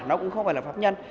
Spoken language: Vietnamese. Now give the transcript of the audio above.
nó cũng không phải là pháp nhân